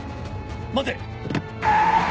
待て！